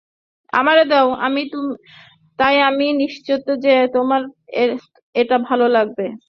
তাই আমি নিশ্চিত যে, তোমার এটা ভাল লাগবে।